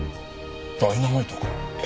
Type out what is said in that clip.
ダイナマイトか。え！？